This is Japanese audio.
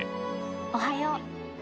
おはよう。